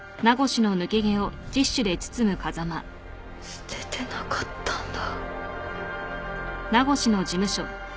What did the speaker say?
捨ててなかったんだ。